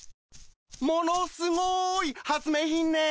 ものすごーい発明品ね。